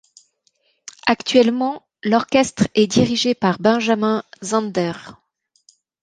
Actuellement, l'orchestre est dirigé par Benjamin Zander.